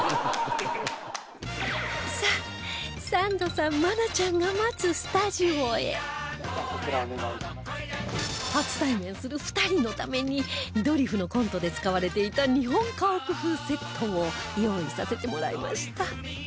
さあサンドさん愛菜ちゃんが待つ初対面する２人のためにドリフのコントで使われていた日本家屋風セットを用意させてもらいました